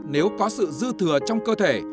nếu có sự dư thừa trong cơ thể